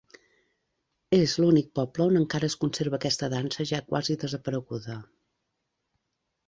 És l'únic poble on encara es conserva aquesta dansa, ja quasi desapareguda.